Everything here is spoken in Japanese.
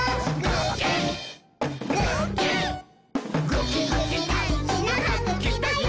ぐきぐきだいじなはぐきだよ！」